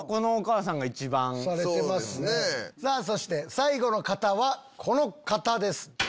そして最後の方はこの方です。